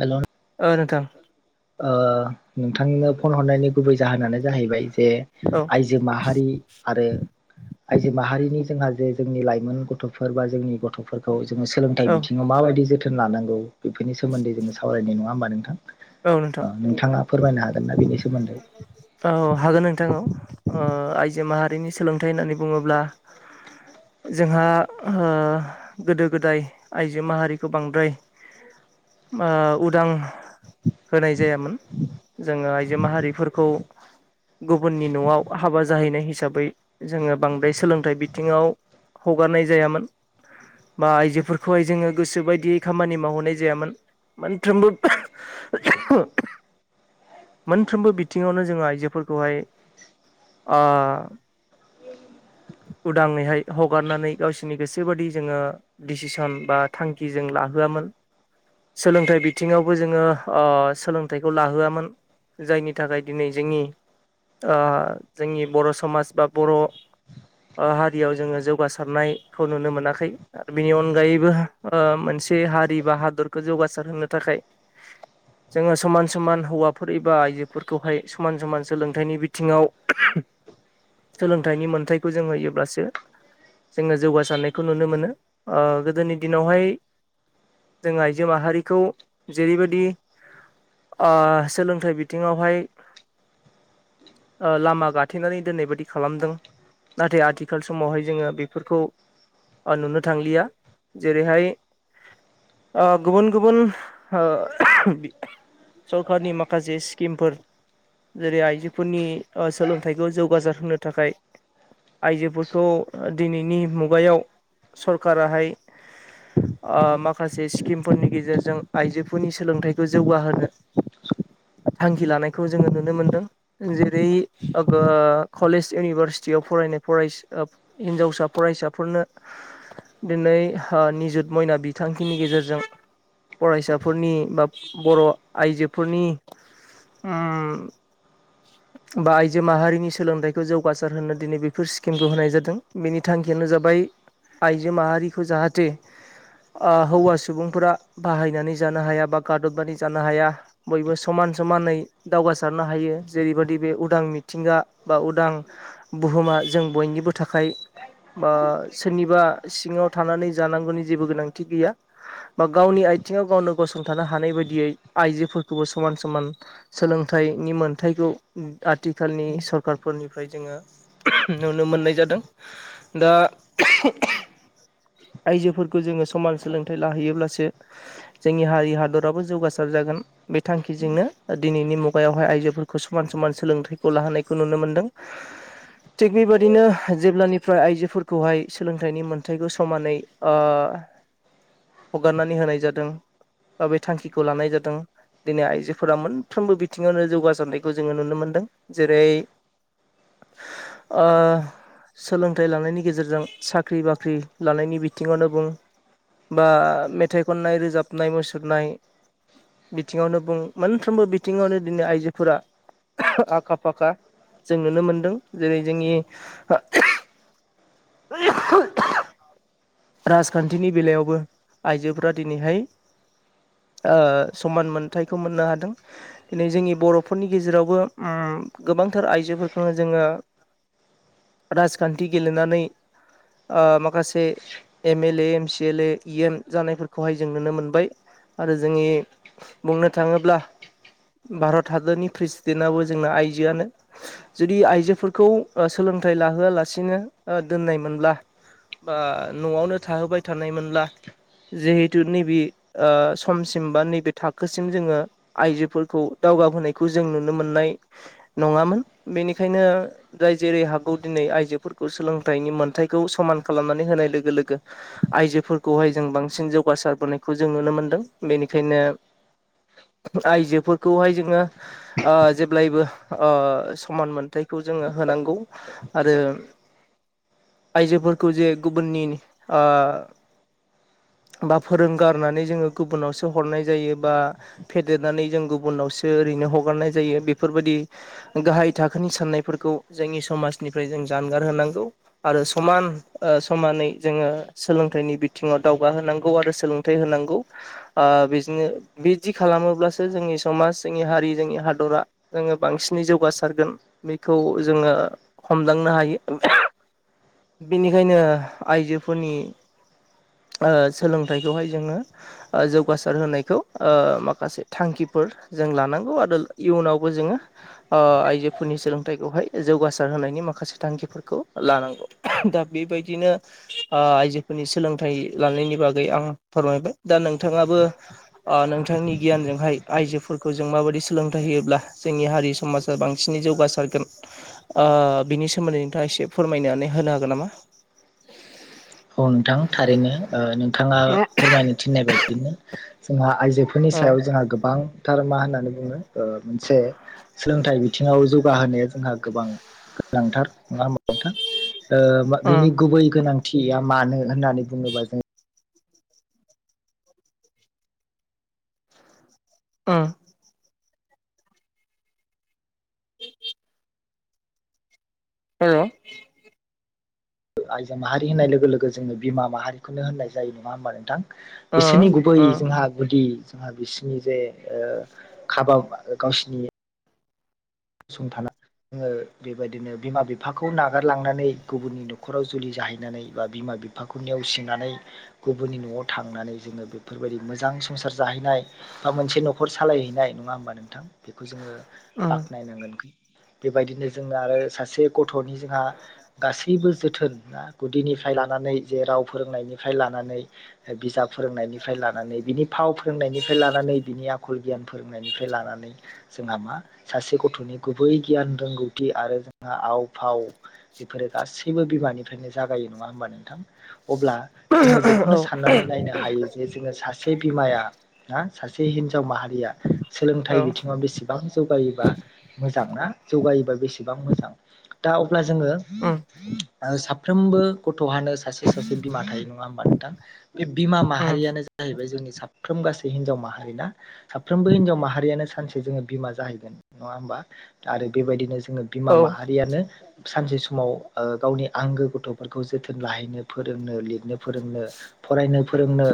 हेल' औ नोंथां ओ नोंथांनो फन हरनायनि गुबै जाहोनानो जाहैबाय जे औ आइजो माहारि आरो आइजो माहारिनि जोंहा जे जोंनि लाइमोन गथ'फोर बा जोंनि गथ'फोरखौ जोङो सोलोंथाइ औ बिथिङाव माबायदि जोथोन जोथोन लानांगौ बेफोरनि सोमोन्दै जोङो सावरायनाय नङा होमबा नोंथां औ नोंथां ओ नोंथाङा फोरमायनो हागोन ना बेनि सोमोन्दै औ हागोन नोंथां आइजो माहारिनि सोलोंथाइ होननानै बुङोब्ला जोंहा गोदो गोदाय आइजो माहारिखौ बांद्राय ओ उदां होनाय जायामोन जोङो आइजो माहारिफोरखौ गुबुननि न'आव हाबा जाहैनाय हिसाबै जोङो बांद्राय सोलोंथाइ बिथिङाव हगारनाय जायामोन बा आइजोफोरखौहाय जोङो गोसो बायदियै खामानि मावहरनाय जायामोन मोनफ्रोमबो मोनफ्रोमबो बिथिङावनो जोङो आइजोफोरखौहाय ओ [inaudible] उदाङैहाय हगारनानै गावसोरनि गोसोबादि जोङो दिडसिसन बा थांखि जों ला होआ मोन सोलोंथाइ बिथिङावबो जोङो ओ सोलोंथाइखौ लाहोआमोन जायनि थाखाय दिनै जोंनि ओ जोंनि बर' समाज बा बर' ओ हारियाव जोङो जौगासारनायखौ नुनो मोनाखै आरो बिनि अनगायैबो मोन से हारि बा हादरखौ जौगासार होनो थाखाय जोङो समान समान हौवाफोर एबा आइजोफोरखौहाय समान समान सोलोंथाइनि बिथिङाव [inaudible] सोलोंथाइनि मोनथायखौ जों होयोब्लासो जोङो जौगासारनायखौ नुनो मोनो गोदोनि दिनावहाय जों आइजो माहारिखौ जेरैबायदि सोलोंथाइ बिथिङावहाय लामा गाथेनानै दोननाय बायदि खालामदों नाथाय आथिखाल समावहाय जोङो बेफोरखौ नुनो थांलिया जेरैहाय गुबुन गुबुन सरखारनि माखासे स्किमफोर जेरै आइजोफोरनि सोलोंथाइखौ जौगासार होनो थाखाय आइजोफोरखौ दिनैनि मुगायाव सरकाराहाय माखासे स्किमफोरनि गेजेरजों आइजोफोरनि सोलोंथाइ बे जौगाहोनो थांखि लानायखौ जोङो नुनो मोनदों जेरै कलेज इउनिभारसिटि याव फरायनाय फ हिनजावसा फरायसाफोरनो दिनै निजुत मयना बिथांखिनि गेजेरजों फरायसाफोरनि बा बर' आइजोफोरनि [inaudible] बा आइजो माहारिनि सोलोंथाइखौ जौगासार होनो दिनै बेफोर स्किमखौ होनाय जादों बेनि थांखियानो जाबाय आइजो माहारिखौ जाहाथे हौवा सुबुंफोरा बाहायनानै जानो हाया बा गादबनै जानो हाया बयबो समान समानै दावगासारनो हायो जेरैबायाददि बे उदां मि थिंगा बा उदां बुहुमा जों बयनिबो थाखाय बा सोरनिबा सिङाव थानानै जानांगौनि जेबो गोनांथि गैया बा गावनि आथिङाव गावनो गसं थानो हानाय बायदियै आइजोफोरखौबो समान समान सोलोंथाइनि मोनथाइखौ आथि आथिखालनि सरखारफोरनिफ्राय जोङो नुनो मोननाय जादों। दा [inaudible] आइजोफोरखौ जोङो समान सोलोंथाइ लाहैयोब्लासो जोंनि हारि हादराबो जौगासार जागोन बे थांखिजोंनो ओ दिनैनि मुगायावहाय आइजोफोरखौ समान समान सोलोंथाइ खौ लाहोनायखौ नुनो मोनदों। थिग बेबादिनो जेब्लानिफ्राय आइजोफोरखौहाय सोलोंथाइनि मोनथायाइखौ समानै ओ [inaudible] हगारनानै होनाय जादों। ओ बे थांखिखौ लानाय जादों दिनै आइजोफोरा मोनफ्रोमबो बिथिङावनो जौगासारनायखौ जोङो नुनो मोनदों। जेरै ओ सोलोंथाइ लानायनि गेजेरजों साख्रि बाख्रि लानायनि बिथिङावनो बुं बा मेथाइ खननाय रोजाबनाय मुसुरनाय बिथिङावनो बुं मोनफ्रोमबो बिथिङावनो दिनै आइजोफोरा आखा फाखा जों नुनो मोनदों। जेरै जोंनि [inaudible] राजखान्थिनि बेलायावबो आइजोफोरा दिनैहाय [inaudible] ओ समान मोनथाइखौ मोननो हादों। दिनै जोंनि बर'फोरनि गेजेरावबो उम गोबां गोबांथार आइजोफोरखौनो जोङो [inaudible] राजखान्थि गेलेनानै ओ माखासे M L A M C L A E M जानायफोरखौहाय जों नुनो मोनबाय। आरो जोंनि बुंनो थाङोब्ला भारत हादरनि प्रेसिडेन्टआबो जोंना आइजोआनो जुदि आइजोफोरखौ ओ सोलों सोलोंथाइ लाहोआलासिनो ओ दोननाय मोनब्ला बा न'आवनो थाहोबाय थानायमोनब्ला जिहेथु नैबि ओ समसिम बा नैबे थाखोसिम जोङो आइजोफोरखौ दावगा बोनायखौ जों नुनो मोननाय नङामोन। बेनिखायनो जाय जेरै हागौ दिनै आइजोफोरखौ सोलोंथाइनि मोन थाइखौ समान खालामनानै होनाय लोगो लोगो आइजोफोरखौहाय जों बांसिन जौगासारबोनायखौ खौ जों नुनो मोनदों। बेनिखायनो आइजोफोरखौहाय जोङो ओ जेब्लायबो ओ समान मोनथायखौ खौ जोङो होनांगौ आरो [inaudible] आइजोफोरखौ जे गुबुननि ओ बा फोरोंगार नानै जोङो गुबुनावसो हरनाय जायो बा फेदेरनानै जों गुबुनावसो ओरैनो हगारनाय जायो। बेफोर बायदि गाहाय थाखोनि साननायफोरखौ जोंनि समाजनिफ्राय जों जानगार होनांगौ। आरो समान ओ समानै जोङो सोलोंथाइनि बिथिङाव दावगाहोनांगौ आरो सोलों होनांगौ ओ बिदिनो बिदि खालामोब्लासो जोंनि समाज जोंनि हारि जोंनि हादर रा जोङो बांसिनै जौगासारगोन बेखौ जोङो हमदांनो हायो। बेनिखायनो आइजोफोरनि ओ सोलोंथाइ खौहाय जोङो ओ जौगारसार होनायखौ ओ माखासे थांखि जों लानांगौ आरो इयुनावबो जोङो ओ आइजोफोरनि सोलोंथाइखौहाय जौगासार होनायनि माखासे थांखिफोरखौ लानांगौ दा बेबायदिनो आइजोफोरनि सोलोंथाइ लानायनि बागै आं फोरमायबाय दा नोंथाङाबो नोंथांनि गियानजोंहाय आइजोफोरखौ जों माबायदि सोलोंथाइ होयोब्ला जोंनि हारि समाजा बांसिनै जौगासारगोन ओ बिनि सोमोन्दै नोंथाङा एसे फो फोरमायनानै होनो हागोन नामा? औ नोंथां थारैनो ओ नोंथाङा फोरमायनो थिननाय बायदिनो जोंहा आइजोफोरनि ओ सायाव जोंहा गोबां थार मा होननानै बुङो मोनसे सोलोंथाइ बिथिङाव जौगाहोनाया जोंहा गोबां गोनांथार नङा होमबा नोंथां ओ बिनि गुबै गोनांथिया मानो होननानै बुङोबा जों उम हेलौ आइजो माहारि होननाय लोगो लोगो जोंनो बिमा माहारिखौनो होननाय जायो नङा होमबा नोंथां? ओ बिसोरनि गुबै ओ जोंहा गुदि जोंहा बिसिनि जे ओ खाबा गावसिनि सुंथाना जोङो बेबायदिनो बिमा बिफाखौ नागारलांनानै गुबुननि न'खराव जुलि जाहैनानै बा बिमा बिफाखौ नेवसिनानै गुबुननि न'आव थांनानै जोङो बेफोरबायदि मोजां संसार जाहैनाय बा मोनसे न'खर सालायहैनाय नङा होमबा नोंथां बेखौ जोङो ओ बाख गोन बेबायदिनो जोंनो आरो सासे गथ' गथ'नि जोंहा गासैबो जोथोन ना गुदिनिफ्राय लानानै जे राव फोरोंनायनिफ्राय लानानै ओ बिजाब फोरोंनायनिफ्राय लानानै बिनि फाव फोरोंनायनिफ्राय लानानै बिनि आखल गियान फोरोंनायनिफ्राय लानानै जोंहा मा सासे गथ'नि गुबै गियान रोंगौथि आरो जोंहा आव फाव बेफोरो गासैबो बिमा निफ्रायनो जागायो नङा होमबा नोंथां? अब्ला जोङो औ बेखौनो साननानै नायनो हायो जे जोङो सासे बिमाया ना सासे हिनजाव माहारिया औ सोलोंथाइ बिथिङाव बेसेबां जौगायो। बा मोजां ना जौगायोबा बेसेबां मोजां दा अब्ला जोङो उम ओ साफ्रोमबो गथ'हानो सासे सासे बिमा थायो नङा होमबा नोंथां बे बिमा उम माहारि- यानो जाहैबाय जोंनि साफ्रोम गासै हिनजाव माहारि ना साफ्रोमबो हिनजाव माहारियानो सानसे जोङो बिमा जाहैगोन। नङा होमबा आरो बेबायदिनो जोङो बिमा औ माहारियानो सानसे समाव ओ गावनि आंगो गथ'फोरखौ जोथोन लाहैनो फोरोंनो लिरनो फोरोंनो फरायनो फोरोंनो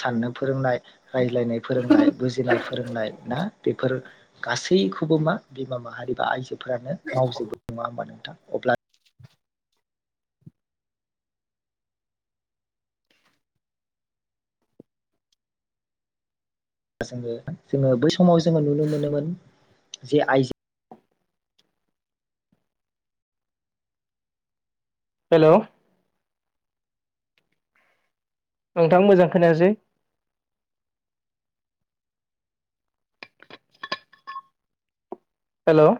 साननो फोरोंनाय रायज्लायनाय फोरोंनाय बुजिनाय फोरोंनाय ना बेफोर गासैखौ खौबो मा बिमा माहारि बा आइजोफोरानो मावजोबो नङा होमबा नोंथां अब्ला जोङो जोङो बै समाव जोङो नुनो मोनोमोन जे आइजो हेलौ नोंथां मोजां खोनायासै। हेलौ